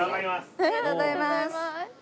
ありがとうございます。